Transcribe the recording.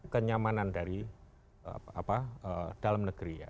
kenyamanan dari dalam negeri ya